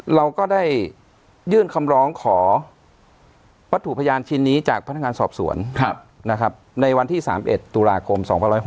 เราก็ได้ยื่นคำร้องขอวัตถุพยานชิ้นนี้จากพนักงานสอบสวนในวันที่๓๑ตุลาคม๒๖๖